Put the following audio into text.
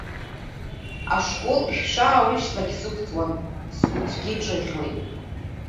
Ашкол шәшааурышьҭлакь сықәҵуан, сгәы цәгьа иҿыӷьуеит.